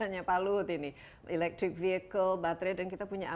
khususnya tuh kalau kita dikasih semua titik di sana